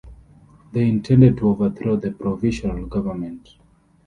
They intended to overthrow the provisional government.